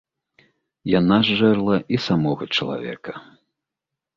Яна зжэрла і самога чалавека.